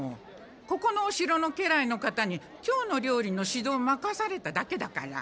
ここのお城の家来の方に今日の料理の指導まかされただけだから。